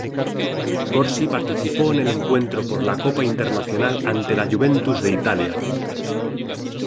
Corsi participó en el encuentro por la Copa Intercontinental ante la Juventus de Italia.